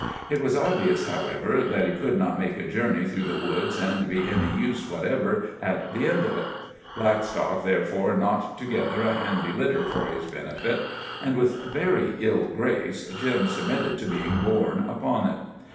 It was obvious, however, that he could not make a journey through the woods and be any use whatever at the end of it. Blackstock, therefore, knocked together a handy litter for his benefit. And with very ill grace Jim submitted to being borne upon it.